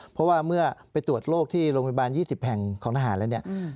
เพราะว่าเมื่อไปตรวจโรคที่โรงพยาบาล๒๐แห่งของทหารแล้วเนี่ย